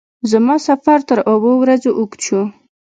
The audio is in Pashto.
زما سفر تر اوو ورځو اوږد شو.